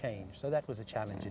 jadi itu adalah tantangan